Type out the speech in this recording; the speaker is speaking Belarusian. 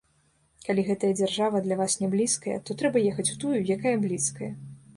Калі гэтая дзяржава для вас не блізкая, то трэба ехаць у тую, якая блізкая.